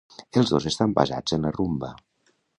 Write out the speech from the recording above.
Els dos estan basats en la rumba.